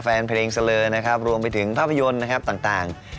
แฟนเพลงเสลอนะครับรวมไปถึงภาพยนตร์นะครับต่าง